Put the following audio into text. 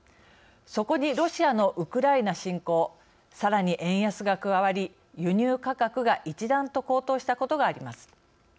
そこに、ロシアのウクライナ侵攻さらに円安が加わり輸入価格が一段と高騰したことがあります。